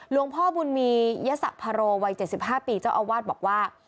หลวงพ่อบุญมียสะพาโรวัย๗๕ปีเจ้าอาวาสบอกว่า